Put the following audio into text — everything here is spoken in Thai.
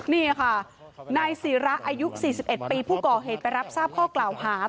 นี่ค่ะนายศิระอายุ๔๑ปีผู้ก่อเหตุไปรับทราบข้อกล่าวหา